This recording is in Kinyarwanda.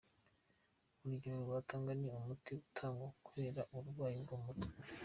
Urugero twatanga ni umuti utangwa kubera uburwayi bwo mu mutwe.